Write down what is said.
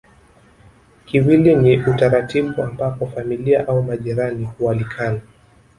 Kiwili ni utaratibu ambapo familia au majirani hualikana